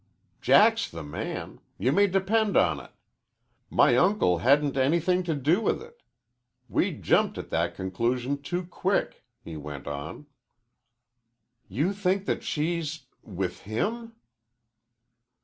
"Jack's the man. You may depend on it. My uncle hadn't anything to do with it. We jumped at that conclusion too quick," he went on. "You think that she's ... with him?"